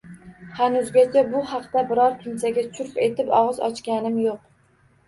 Hanuzgacha bu haqda biror kimsaga churq etib og‘iz ochganim yo‘q.